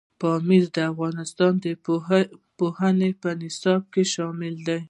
پامیر د افغانستان د پوهنې په نصاب کې شامل دی.